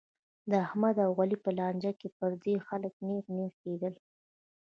د احمد او علي په لانجه کې پردي خلک نېغ نېغ کېدل.